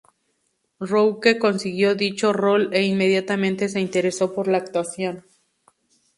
Rourke consiguió dicho rol e inmediatamente se interesó por la actuación.